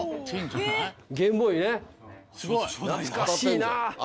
懐かしいな。